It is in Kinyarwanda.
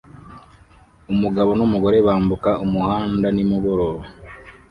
Umugabo n'umugore bambuka umuhanda nimugoroba